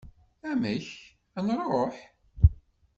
Amek? ad nruḥ?